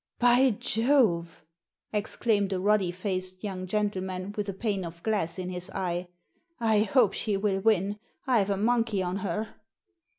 "By Jove!" exclaimed a ruddy faced young gentleman, with a ''pane of glass" in his eye, ''I hope she will win! I've a monkey on her!"